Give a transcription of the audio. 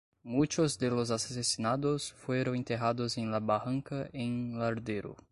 Muchos de los asesinados fueron enterrados en la "Barranca" en Lardero.